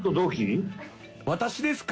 「私ですか？